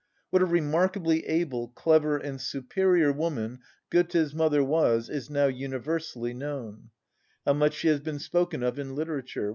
What a remarkably able, clever, and superior woman Goethe's mother was is now universally known. How much she has been spoken of in literature!